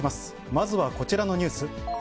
まずはこちらのニュース。